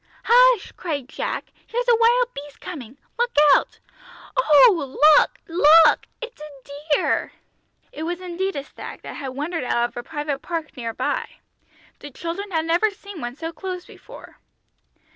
"Hush!" cried Jack, "here's a wild beast coming, look out! Oh, look, look, it's a deer!" It was indeed a stag, that had wandered out of a private park near. The children had never seen one so close before.